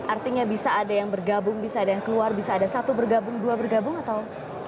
artinya bisa ada yang bergabung bisa ada yang keluar bisa ada satu bergabung dua bergabung atau